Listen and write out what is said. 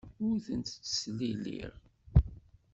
Ur tent-ttesliliɣ.